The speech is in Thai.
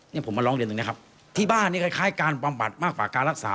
นี่ผมมาร้องเรียนตรงนี้ครับที่บ้านนี่คล้ายการบำบัดมากกว่าการรักษา